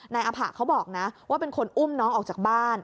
นายอภะเขาบอกนะว่าเป็นคนอุ้มน้องออกจากบ้าน